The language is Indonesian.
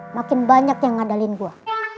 makin banyak yang ngadalin gue